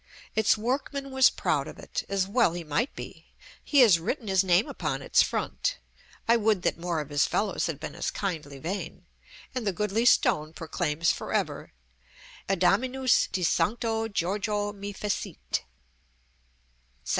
Its workman was proud of it, as well he might be: he has written his name upon its front (I would that more of his fellows had been as kindly vain), and the goodly stone proclaims for ever, ADAMINUS DE SANCTO GIORGIO ME FECIT.